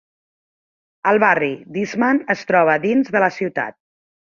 El barri d'Eastman es troba dins de la ciutat.